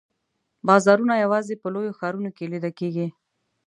بازارونه یوازي په لویو ښارونو کې لیده کیږي.